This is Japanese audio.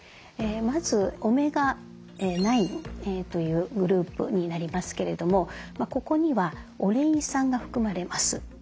まずオメガ９というグループになりますけれどもここにはオレイン酸が含まれます。